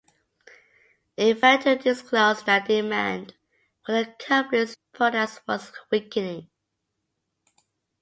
It failed to disclose that demand for the Company's products was weakening.